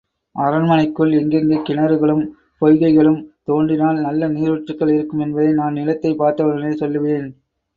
அரண்மனைக்குள் எங்கெங்கே கிணறுகளும் பொய்கைகளும் தோண்டினால் நல்ல நீருற்றுக்கள் இருக்கும் என்பதை நான் நிலத்தைப் பார்த்தவுடனே சொல்லுவேன்.